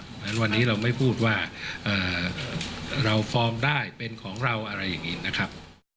เพราะฉะนั้นวันนี้เราไม่พูดว่าเราฟอร์มได้เป็นของเราอะไรอย่างนี้นะครับ